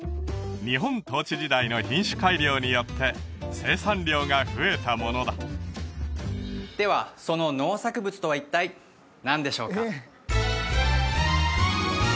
日本統治時代の品種改良によって生産量が増えたものだではその農作物とは一体何でしょうか？